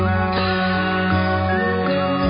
ทรงเป็นน้ำของเรา